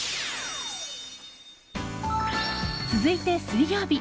続いて、水曜日。